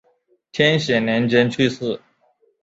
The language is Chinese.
天显年间去世。